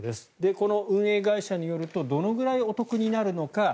この運営会社によるとどのくらいお得になるのか。